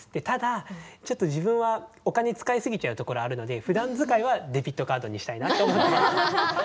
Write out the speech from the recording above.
ただちょっと自分はお金使い過ぎちゃうところあるのでふだん使いはデビットカードにしたいなと思ってます。